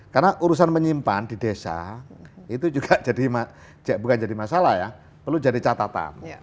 karena urusan menyimpan di desa itu juga jadi bukan jadi masalah ya perlu jadi catatan